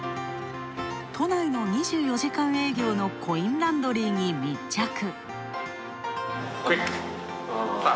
都内の２４時間営業のコインランドリーに密着。